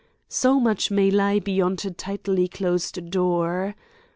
So much may lie behind a tightly closed door!